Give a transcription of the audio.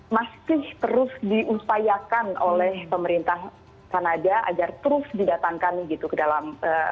masih terus diupayakan oleh pemerintah kanada agar terus didatangkan gitu ke dalam